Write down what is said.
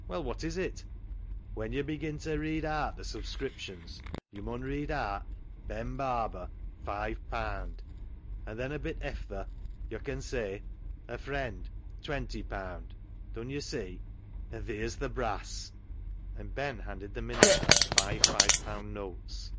" Well, what is it ?"" When yo' begin ta read aat th' subscriptions yo' mun read aat ' Ben Barber, five paand,' an' then a bit efther yo' can say, * A Friend, twenty paand,' dun yo' see, an' theer's th' 320 CLOG SHOP CHRONICLES brass," and Ben handed the minister five five pound notes.